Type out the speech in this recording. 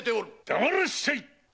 だまらっしゃい！